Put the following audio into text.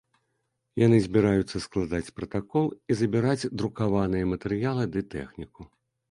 Яны збіраюцца складаць пратакол і забіраць друкаваныя матэрыялы ды тэхніку.